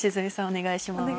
お願いします。